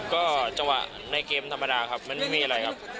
ก็จังหวะในเกมธรรมดาครับมันไม่มีอะไรครับ